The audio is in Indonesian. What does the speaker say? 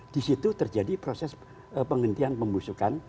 disitu terjadi proses penghentian pembusukan